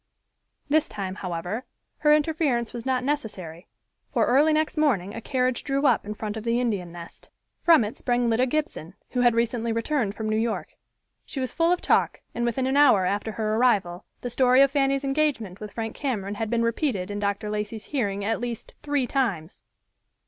This time, however, her interference was not necessary, for early next morning a carriage drew up in front of the Indian Nest. From it sprang Lida Gibson, who had recently returned from New York. She was full of talk, and within an hour after her arrival the story of Fanny's engagement with Frank Cameron had been repeated in Dr. Lacey's hearing at least three times.